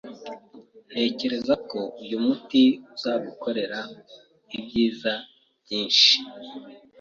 Ntekereza ko uyu muti uzagukorera ibyiza byinshi.